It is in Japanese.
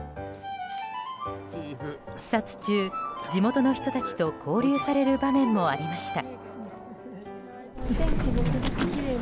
視察中、地元の人たちと交流される場面もありました。